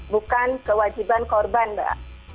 bukan kewajiban korban mbak